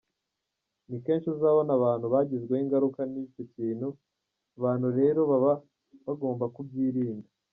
Ni kenshi uzabona abantu bagizweho ingaruka n’icyo kintu, abantu rero baba bagomba kubyirinda .